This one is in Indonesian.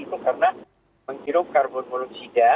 itu karena menghirup karbon monoksida